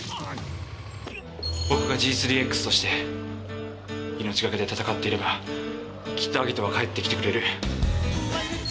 僕がＧ３−Ｘとして命懸けで戦っていればきっとアギトは帰ってきてくれる。